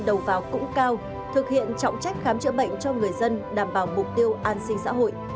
đầu vào cũng cao thực hiện trọng trách khám chữa bệnh cho người dân đảm bảo mục tiêu an sinh xã hội